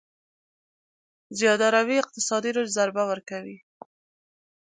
زياده روي اقتصادي رشد ضربه ورکوي.